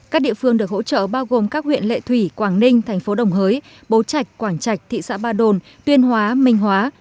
các địa phương được hỗ trợ bao gồm các huyện lệ thủy quảng ninh thành phố đồng hới bố trạch quảng trạch thị xã ba đồn tuyên hóa minh hóa